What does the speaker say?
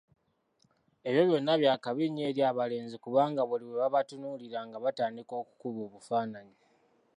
Ebyo byonna byakabi nnyo eri abalenzi kubanga buli lwe babatunuulira nga batandika okukuba obufaananyi